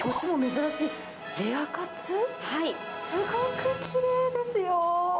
すごくきれいですよ。